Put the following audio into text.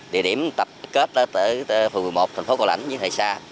địa điểm tập kết ở phường một mươi một thành phố cầu lãnh giữa hệ xa